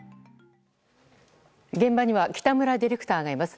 現場には北村ディレクターがいます。